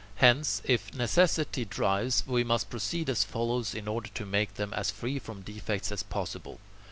Hence, if necessity drives, we must proceed as follows in order to make them as free from defects as possible.